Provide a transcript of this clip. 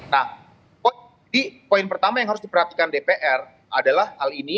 nah jadi poin pertama yang harus diperhatikan dpr adalah hal ini